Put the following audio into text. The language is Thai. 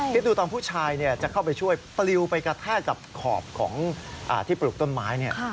คิดดูตอนผู้ชายจะเข้าไปช่วยปลิวไปกระแทกกับขอบของที่ปลูกต้นไม้